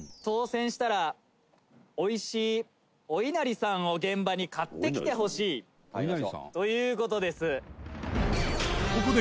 「当せんしたら美味しいお稲荷さんを現場に買ってきてほしいという事です」